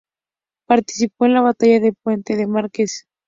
Participó en la batalla de Puente de Márquez.